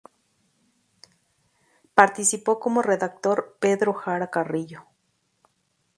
Participó como redactor Pedro Jara Carrillo.